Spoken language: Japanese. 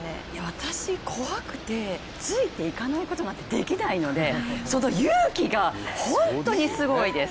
私、怖くて、ついていかないことなんてできないのでその勇気が本当にすごいです。